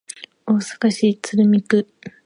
大阪市鶴見区